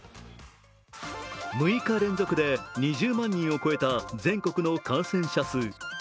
６日連続で２０万人を超えた全国の感染者数。